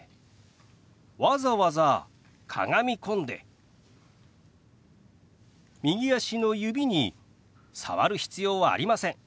わざわざかがみ込んで右足の指に触る必要はありません。